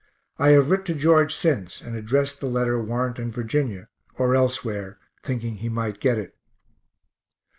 I have writ to George since, and addressed the letter Warrenton, Va., or elsewhere, thinking he might get it.